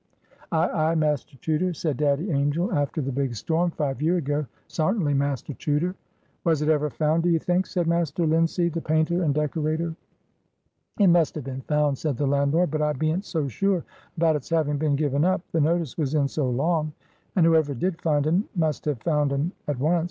"Ay, ay, Master Chuter," said Daddy Angel; "after the big storm, five year ago. Sartinly, Master Chuter." "Was it ever found, do ye think?" said Master Linseed, the painter and decorator. "It must have been found," said the landlord; "but I bean't so sure about it's having been given up, the notice was in so long. And whoever did find un must have found un at once.